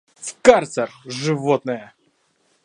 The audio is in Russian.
В карцер! Животное!